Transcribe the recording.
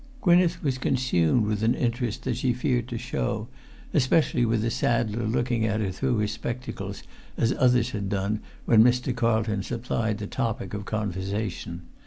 Gwynneth was consumed with an interest that she feared to show, especially with the saddler looking at[Pg 311] her through his spectacles as others had done when Mr. Carlton supplied the topic of conversation.